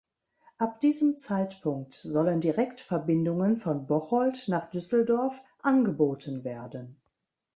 Ab diesem Zeitpunkt sollen Direktverbindungen von Bocholt nach Düsseldorf angeboten werden.